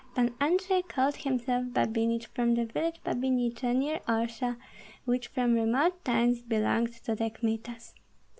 Pan Andrei called himself Babinich from the village Babiniche, near Orsha, which from remote times belonged to the Kmitas.